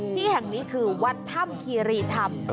ที่แห่งนี้คือวัดถ้ำคีรีธรรม